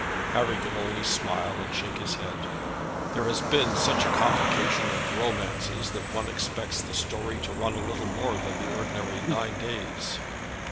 Harry could only smile and shake his head. "There has been such a complication of romances that one expects the story to run a little more than the ordinary nine days."